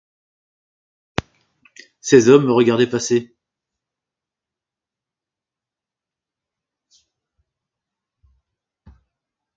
Ces hommes me regardaient passer.